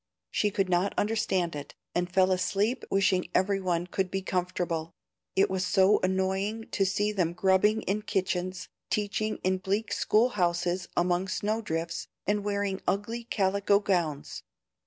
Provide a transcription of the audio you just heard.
She could not understand it, and fell asleep wishing every one could be comfortable, it was so annoying to see them grubbing in kitchens, teaching in bleak school houses among snow drifts, and wearing ugly calico gowns.